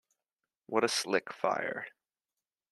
What a slick fire!